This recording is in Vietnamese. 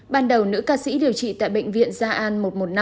ban đầu nữ ca sĩ điều trị tại bệnh viện gia an một một năm